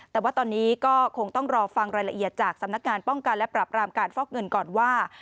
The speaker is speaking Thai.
แต่ว่าตอนนี้ก็คงต้องรอฟังรายละเอียดจากสำนักงานป้องกันและปรับรามการฟอกเงินก่อนว่า